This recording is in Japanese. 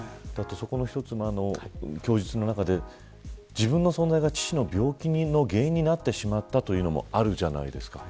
そこの一つ、供述の中で自分の存在が父の病気の原因になってしまったというのもあるじゃないですか。